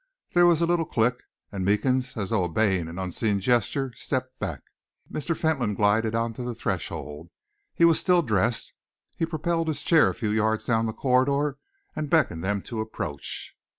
There was a little click, and Meekins, as though obeying an unseen gesture, stepped back. Mr. Fentolin glided on to the threshold. He was still dressed. He propelled his chair a few yards down the corridor and beckoned them to approach.